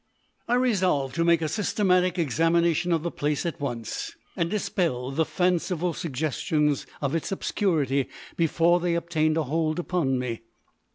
I resolved to make a systematic examination of the place at once, and dispel the fanciful suggestions of its obscurity before they obtained a hold upon me.